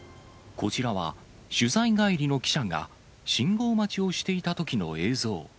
こちらは、取材帰りの記者が信号待ちをしていたときの映像。